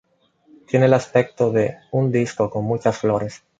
Tienen el aspecto de un disco con muchas flores.